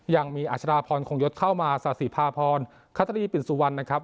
ยังมีอาชดาพรคงยศเข้ามาสาธิภาพรคัตรีปิ่นสุวรรณนะครับ